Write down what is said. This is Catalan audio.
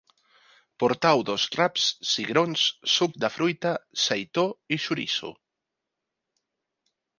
Portau dos raps, cigrons, suc de fruita, seitó i xoriço